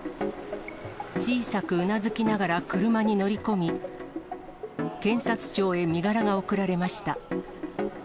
小さくうなずきながら車に乗り込み、検察庁へ身柄が送られました。